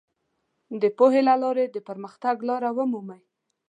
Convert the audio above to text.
د پوهې له لارې د پرمختګ لار ومومو.